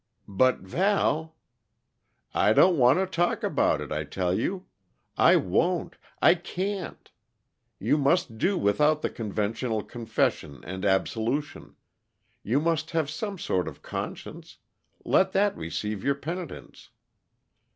"But, Val " "I don't want to talk about it, I tell you! I won't I can't. You must do without the conventional confession and absolution. You must have some sort of conscience let that receive your penitence."